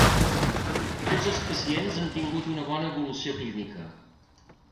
Tots els pacients han tingut una bona evolució clínica.